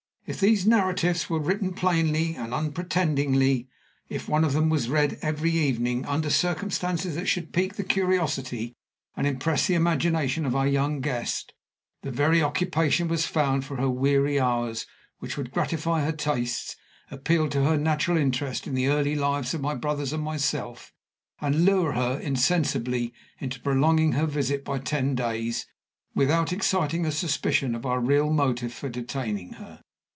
If these narratives were written plainly and unpretendingly; if one of them was read every evening, under circumstances that should pique the curiosity and impress the imagination of our young guest, the very occupation was found for her weary hours which would gratify her tastes, appeal to her natural interest in the early lives of my brothers and myself, and lure her insensibly into prolonging her visit by ten days without exciting a suspicion of our real motive for detaining her.